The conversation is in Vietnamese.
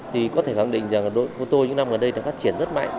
thì có thể khẳng định rằng là đội cô tô những năm gần đây đã phát triển rất mạnh